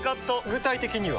具体的には？